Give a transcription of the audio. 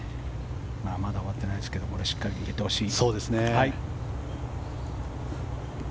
まだ終わってないですけどこれ入れてほしい。